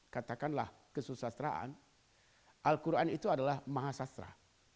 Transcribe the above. katakanlah kesusahsaraan al qur'an itu adalah mahasiswa